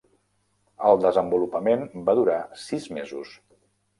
El desenvolupament va durar sis mesos.